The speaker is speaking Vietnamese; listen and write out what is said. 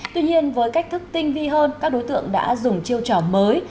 tuy nhiên với cách thức tinh vi hơn các đối tượng đã dùng chiêu trò mới